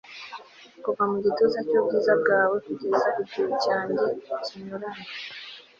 kuva mu gituza cyubwiza bwawe kugeza igihe cyanjye kinyuranye